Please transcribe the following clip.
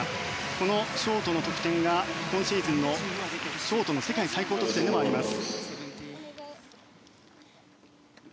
このショートの得点が今シーズンのショートの世界最高得点でもあります。